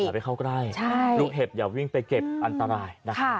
ไปเข้าใกล้ลูกเห็บอย่าวิ่งไปเก็บอันตรายนะคะ